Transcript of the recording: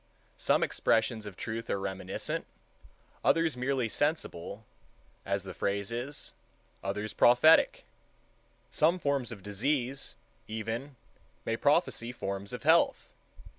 Some expressions of truth are reminiscent,—others merely sensible, as the phrase is,—others prophetic. Some forms of disease, even, may prophesy forms of health.